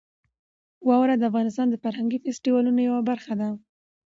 واوره د افغانستان د فرهنګي فستیوالونو یوه برخه ده.